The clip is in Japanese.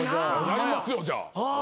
やりますよじゃあ。